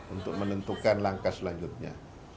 untuk menentukan langkah selanjutnya